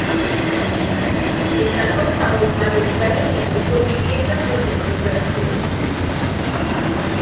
Está formado mayoritariamente por viviendas de segunda residencia.